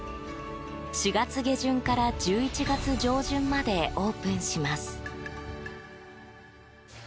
４月下旬から１１月上旬までオープンします。